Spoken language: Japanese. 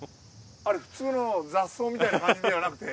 あれ普通の雑草みたいな感じではなくて？